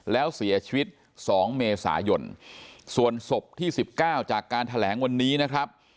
แล้วเสียชีวิต๒เมษายนส่วนศพที่๑๙จากการแถลงวันนี้นะครับ